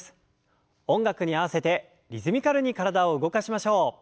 音楽に合わせてリズミカルに体を動かしましょう。